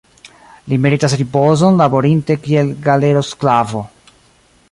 Li meritas ripozon, laborinte kiel galerosklavo.